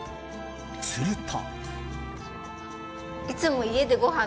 すると。